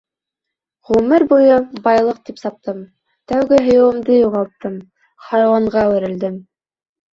Ғүмер буйы байлыҡ тип саптым, тәүге һөйөүемде юғалттым, хайуанға әүерелдем.